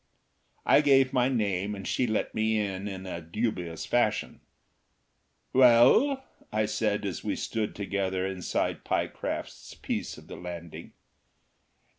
I gave my name and she let me in in a dubious fashion. "Well?" said I, as we stood together inside Pyecraft's piece of the landing.